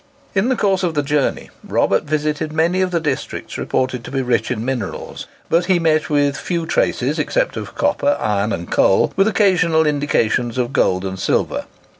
In the course of the journey Robert visited many of the districts reported to be rich in minerals, but he met with few traces except of copper, iron, and coal, with occasional indications of gold and silver.